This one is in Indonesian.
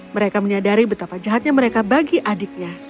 mereka menyadari betapa jahatnya mereka bagi adiknya